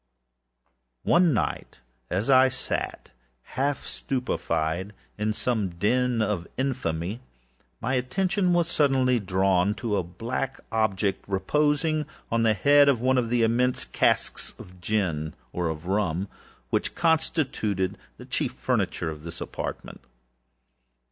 One night as I sat, half stupefied, in a den of more than infamy, my attention was suddenly drawn to some black object, reposing upon the head of one of the immense hogsheads of gin, or of rum, which constituted the chief furniture of the apartment.